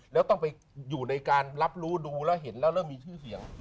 แล้วต้องไปอยู่ในการรับรู้ดูแล้วเห็นแล้วเริ่มมีชื่อเสียง